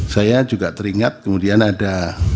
saya juga teringat kemudian ada